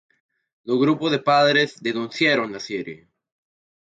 Los grupos de padres denunciaron la serie.